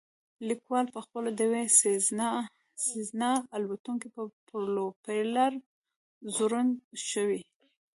لیکوال پخپله د یوې سیزنا الوتکې په پروپیلر ځوړند شوی